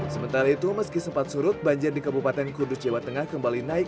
sementara itu meski sempat surut banjir di kabupaten kudus jawa tengah kembali naik